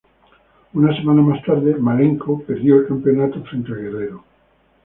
Una semana más tarde, Malenko perdió el campeonato frente a Guerrero.